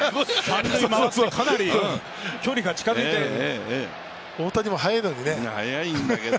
三塁回って距離が近づいて、大谷も速いのにね。